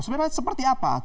sebenarnya seperti apa